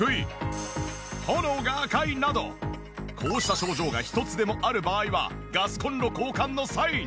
こうした症状が１つでもある場合はガスコンロ交換のサイン。